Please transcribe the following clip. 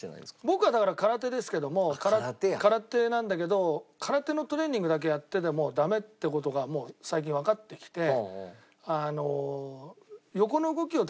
僕はだから空手ですけども空手なんだけど空手のトレーニングだけやっててもダメって事が最近わかってきて。